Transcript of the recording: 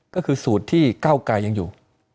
ก็คือสูตรที่เก้าไกรยังอยู่